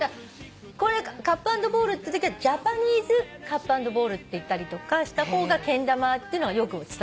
「カップアンドボール」ってときは「ジャパニーズカップアンドボール」って言ったりとかした方がけん玉っていうのが伝わります。